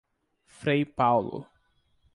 Frei Paulo